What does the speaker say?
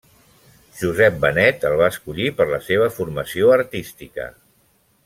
Josep Benet el va escollir per la seva formació artística.